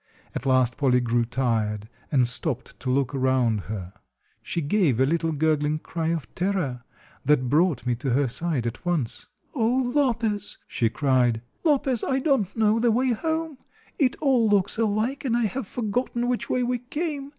At last Polly grew tired and stopped to look around her. She gave a little gurgling cry of terror that brought me to her side at once. "Oh, Lopez!" she cried, "Lopez, I don't know the way home. It all looks alike, and I have forgotten which way we came."